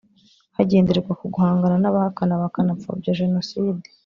hagenderwa ku guhangana n’abahakana bakanapfobya Jenoside